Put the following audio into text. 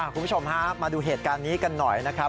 คุณผู้ชมฮะมาดูเหตุการณ์นี้กันหน่อยนะครับ